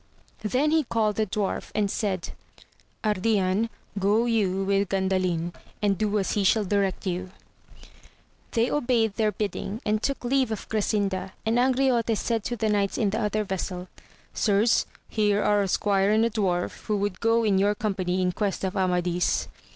Then he called the dwarf, and said, Ardian go you with Gandalin, and do as he shall direct you. They obeyed their bidding, and took leave of Grasinda, and Angriote said to the knights in the other vessel, Sirs, here are a squire and dwarf, who would go in your company in quest of Amadis.